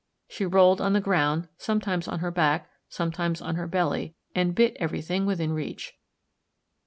She rolled on the ground, sometimes on her back, sometimes on her belly, and bit everything within reach.